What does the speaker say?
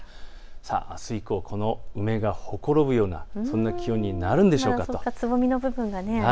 あす以降、この梅がほころぶようなそんな気温になるんでしょうか。